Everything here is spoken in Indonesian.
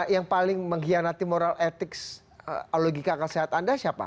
yang paling mengkhianati moral etik logika kesehatan anda siapa